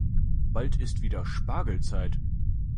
Bald ist es wieder Spargelzeit.